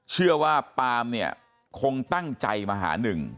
เชื่อว่าปามเนี่ยคงตั้งใจมาหาหนึ่ง